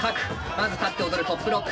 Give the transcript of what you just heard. まず立って踊るトップロック。